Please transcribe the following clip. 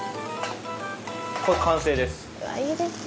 これ完成です。